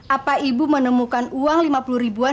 apa ibu menemukan uang lima puluh ribuan